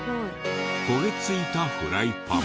焦げついたフライパン。